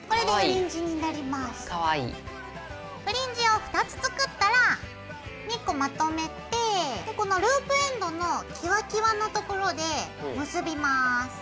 フリンジを２つ作ったら２個まとめてこのループエンドのキワキワのところで結びます。